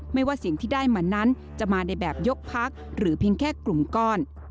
ว่าสิ่งที่ได้มานั้นจะมาในแบบยกพักหรือเพียงแค่กลุ่มก้อน